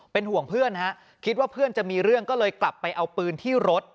เป็นห่วงเพื่อนฮะคิดว่าเพื่อนจะมีเรื่องก็เลยกลับไปเอาปืนที่รถ